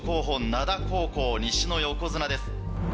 灘高校西の横綱です。